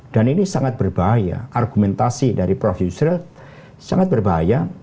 dan ini sangat berbahaya argumentasi dari prof yusril sangat berbahaya